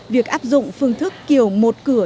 việc áp dụng phương thức kiểu một cửa